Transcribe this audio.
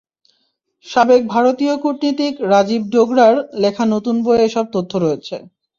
সাবেক ভারতীয় কূটনীতিক রাজীব ডোগরার লেখা নতুন বইয়ে এসব তথ্য রয়েছে।